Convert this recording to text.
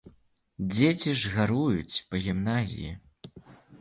Дзеці ж гаруюць па гімназіі.